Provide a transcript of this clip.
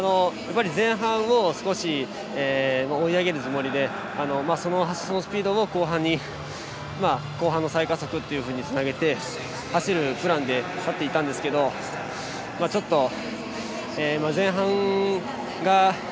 前半を少し追い上げるつもりでそのスピードを後半の再加速につなげて、走るプランになっていたんですけどちょっと、前半が。